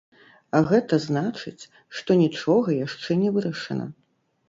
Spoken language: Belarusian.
А гэта значыць, што нічога яшчэ не вырашана.